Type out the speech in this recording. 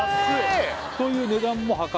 「という値段も破格」